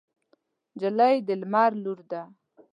نجلۍ د لمر لور ده.